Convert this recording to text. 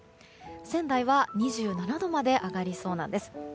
仙台は２７度まで上がりそうなんです。